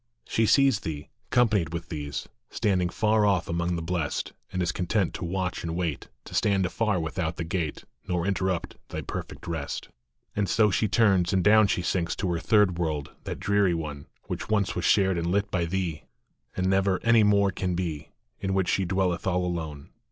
She sees thee, companied with these, Standing far off among the Blest, And is content to watch and wait, To stand afar without the gate, Nor interrupt thy perfect rest. And so she turns, and down she sinks To her third world, that dreary one, Which once was shared and lit by thee, And never any more can be, In which she dwelleth all alone.